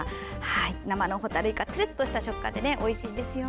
生のホタルイカはツルッとした食感でおいしいですよ。